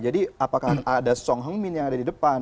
jadi apakah ada song heung min yang ada di depan